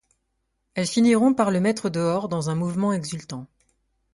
Elles finiront par le mettre dehors dans un mouvement exultant.